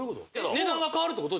値段が変わるってこと？